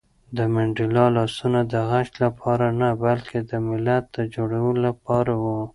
د منډېلا لاسونه د غچ لپاره نه، بلکې د ملت د جوړولو لپاره وو.